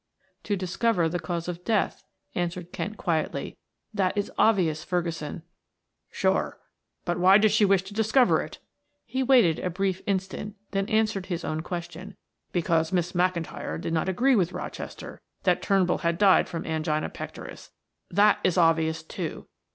"To discover the cause of death," answered Kent quietly. "That is obvious, Ferguson." "Sure. And why did she wish to discover it?" He waited a brief instant, then answered his own question. "Because Miss McIntyre did not agree with Rochester that Turnbull had died from angina pectoris that is obvious, too.